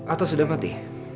atau sudah mati